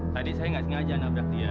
tadi saya nggak sengaja nabrak dia